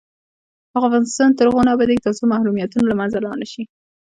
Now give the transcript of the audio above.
افغانستان تر هغو نه ابادیږي، ترڅو محرومیتونه له منځه لاړ نشي.